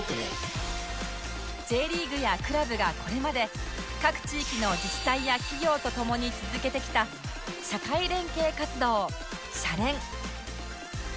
Ｊ リーグやクラブがこれまで各地域の自治体や企業と共に続けてきた社会連携活動シャレン！